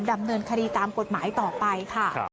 ดำเนินคดีตามกฎหมายต่อไปค่ะ